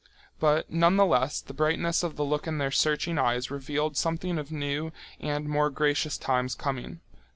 But nonetheless the brightness of the look in their searching eyes revealed something of new and more gracious times coming.